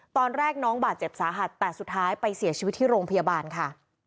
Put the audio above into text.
ตอนแรกน้องบาดเจ็บสาหัสแต่สุดท้ายไปเสียชีวิตที่โรงพยาบาลค่ะ